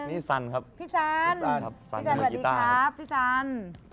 อีกก็พอนึงนี่สันครับ